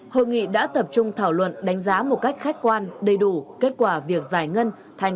hội nghị đã tập trung thảo luận đánh giá một cách khách quan đầy đủ kết quả việc giải ngân